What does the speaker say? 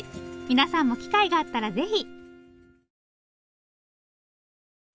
皆さんも機会があったらぜひ。